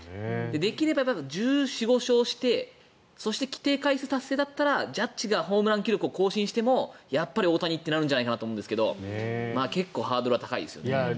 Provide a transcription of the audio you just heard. できれば、１４１５勝してそして規定回数達成だったらジャッジがホームラン記録を更新してもやっぱり大谷ってなるんじゃないかと思うんですが結構ハードルは高いですね。